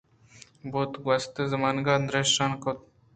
"بوت" گْوست زمانگ ءَ درشان کنْت۔